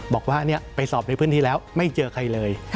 บอกว่าไปสอบในพื้นที่แล้วไม่เจอใครเลย